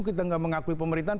kita gak mengakui pemerintahan